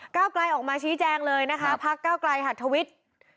เก้าไกลออกมาชี้แจงเลยนะคะพักเก้าไกลหัดทวิทย์